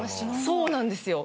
そうなんですよ。